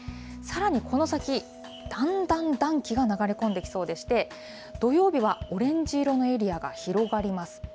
さらにこの先、だんだん暖気が流れ込んできそうでして、土曜日はオレンジ色のエリアが広がります。